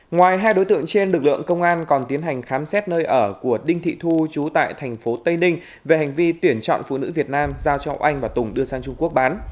ngoài hai đối tượng trên lực lượng công an còn tiến hành khám xét nơi ở của đinh thị thu chú tại tp tây ninh về hành vi tuyển chọn phụ nữ việt nam giao cho oanh và tùng đưa sang trung quốc bán